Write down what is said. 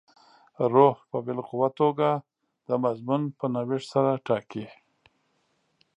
روح په باالقوه توګه د مضمون په نوښت سره ټاکي.